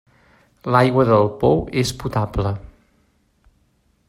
L'aigua del pou és potable.